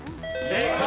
正解！